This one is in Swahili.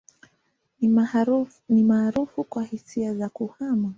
Ni maarufu kwa hisia za kuhama.